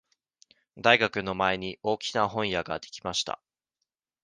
大学の前に大きな本屋ができました。